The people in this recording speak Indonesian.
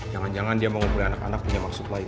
jangan jangan dia mengumpulkan anak anak punya maksud lain